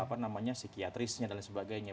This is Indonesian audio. apa namanya psikiatrisnya dan lain sebagainya